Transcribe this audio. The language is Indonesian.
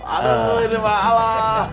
aduh ini mak alah